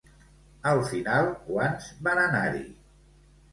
Al final quants van anar-hi?